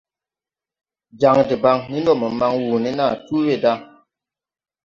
Jan debaŋ, ni ndo mo man wuu ne naa tu weeda.